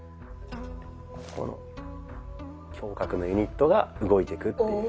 ここの胸郭のユニットが動いてくっていう。